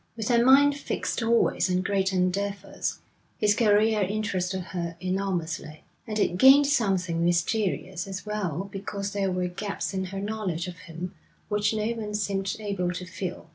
With her mind fixed always on great endeavours, his career interested her enormously; and it gained something mysterious as well because there were gaps in her knowledge of him which no one seemed able to fill.